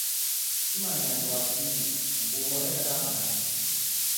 Simanyaa nirwa kii nguw'o reka ra machi